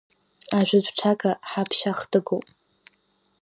Ажәытә ҽага ҳаԥшьа хтыгоуп.